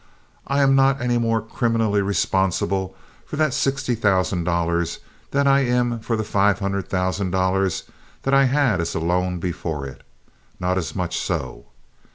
I am not any more criminally responsible for that sixty thousand dollars than I am for the five hundred thousand dollars that I had as loan before it—not as much so.